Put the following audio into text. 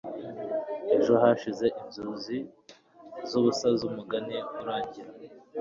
ejo hashize inzozi zubusa zumugani urangira